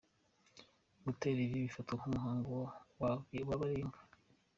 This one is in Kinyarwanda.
Gutera ivi bifatwa nk’umuhango wa baringa.